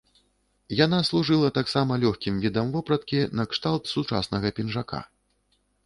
Яна служыла таксама лёгкім відам вопраткі, накшталт сучаснага пінжака.